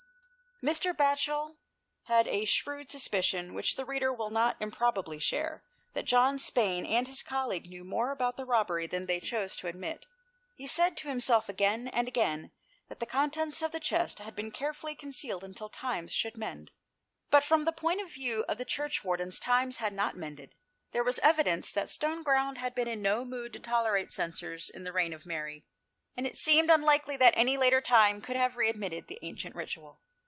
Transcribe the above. Mr. Batchel had a shrewd suspicion, which the reader will not improbably share, that John Spayne and his colleague knew more about the robbery than they chose to admit. He said to himself again and again, that the contents of the chest had been carefully concealed until times should mend. But from the point of view of the Churchwardens, times had not mended. There was evidence that Stoneground 148 THE PLACE OE SAEETY. had been in no mood to tolerate censers in the reign of Mary, and it seemed unlikely that any later time could have re admitted the ancient ritual.